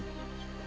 tetapi baduy dalam